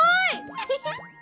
ウフフッ。